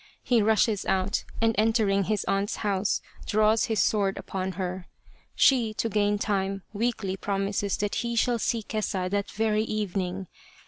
He rushes out and entering his aunt's house draws his sword upon her. She, to gain time, weakly pro mises that he shall see Kesa that very evening.